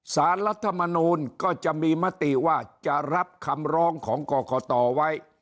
สารรัฐมนูลก็จะมีมติว่าจะรับคำร้องของกรกตไว้